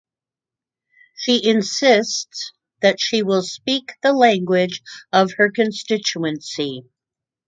She insists that she will speak the language of her constituency.